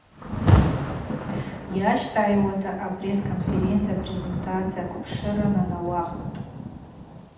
Йащтагӏайуата апресс-конференция презентация квпшыра нанауахвтӏ.